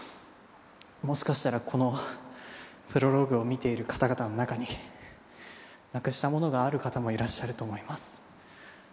もしかしたらこの『プロローグ』を見ている方々の中になくしたものがある方もいらっしゃると思います。